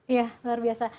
iya luar biasa